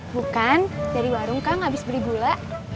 bukan dari warung kang abis beli gula